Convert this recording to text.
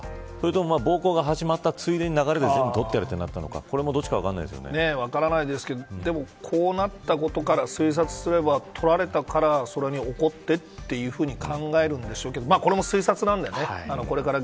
それとも暴行が始まったついでに流れで取って、となったのかこれもどっちか分からないですけどこうなったことから推察すれば取られたからそれに怒ってと考えられるんでしょうけどこれも推察なんですよね。